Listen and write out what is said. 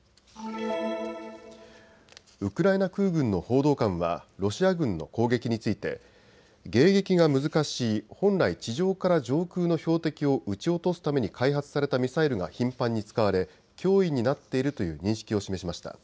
ウクライナ空軍の報道官はロシア軍の攻撃について迎撃が難しい、本来、地上から上空の標的を撃ち落とすために開発されたミサイルが頻繁に使われ脅威になっているという認識を示しました。